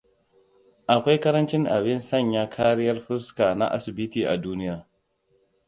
Akwai karancin abin Sanya Kariyar Fuska na asibiti a duniya.